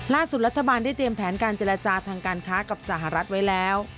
รัฐบาลได้เตรียมแผนการเจรจาทางการค้ากับสหรัฐไว้แล้ว